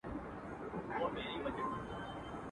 کلونه کېږي له زندانه اواز نه راوزي.